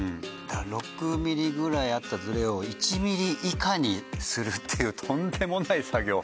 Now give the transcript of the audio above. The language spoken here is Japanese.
６ミリぐらいあったズレを１ミリ以下にするっていうとんでもない作業。